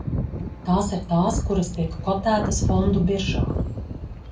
Tās ir tās, kuras tiek kotētas fondu biržā.